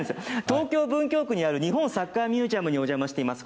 東京・文京区にある日本サッカーミュージアムにお邪魔しています。